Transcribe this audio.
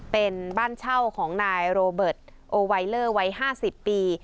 เป็นบ้านเช่าของนายโรเบิร์ตโอไวเลอร์วัย๕๐ปี